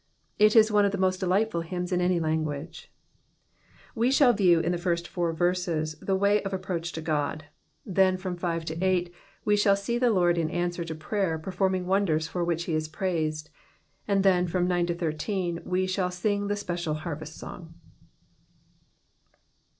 It is one of the most ddightfuL hymns in We shall view in the first four verses Vie way of approach to Ood, then from 5 to S we shall see the Lord in ansu)er to prayer performing vjondersfor which he is praised, and then from 9—13 toe shall sing the special harvest song.